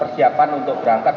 siapkan untuk berangkat